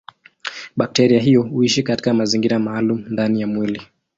Bakteria hiyo huishi katika mazingira maalumu ndani ya mwili.